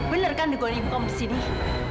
bener kan dong astagfirullahaladzim